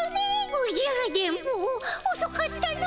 おじゃ電ボおそかったの。